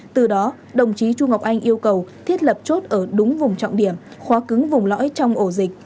từ đó đồng chí chu ngọc anh yêu cầu thiết lập chốt ở đúng vùng trọng điểm khóa cứng vùng lõi trong ổ dịch